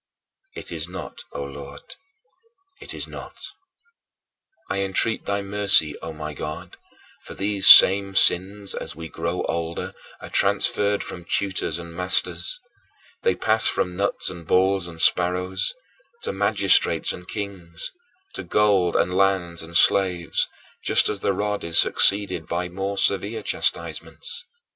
It is not, O Lord, it is not. I entreat thy mercy, O my God, for these same sins as we grow older are transferred from tutors and masters; they pass from nuts and balls and sparrows, to magistrates and kings, to gold and lands and slaves, just as the rod is succeeded by more severe chastisements.